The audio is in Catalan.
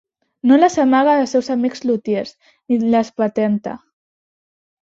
No les amaga dels seus amics lutiers, ni les patenta.